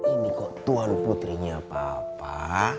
ini kok tuan putrinya bapak